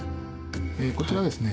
こちらはですね